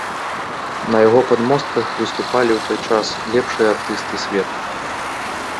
На яго падмостках выступалі ў той час лепшыя артысты свету.